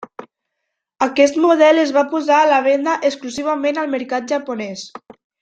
Aquest model es va posar a la venda exclusivament al mercat japonès.